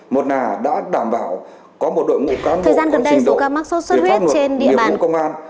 một nà đã đảm bảo có một đội ngũ cán bộ có trình độ để phát ngược nhiệm vụ công an